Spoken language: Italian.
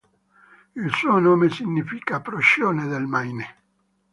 Il suo nome significa "procione del Maine".